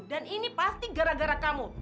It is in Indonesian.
dan ini pasti gara gara kamu